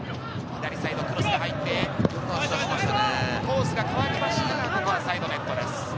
クロスが入ってコースが変わりました、サイドネットです。